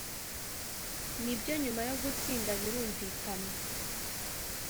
nibyo nyuma yo gutsinda birumvikana.